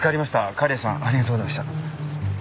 狩矢さんありがとうございました。